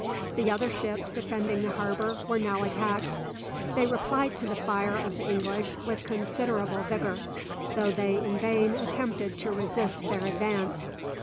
The other ships defending the harbour were now attacked. They replied to the fire of the English with considerable vigour, though they in vain attempted to resist their advance.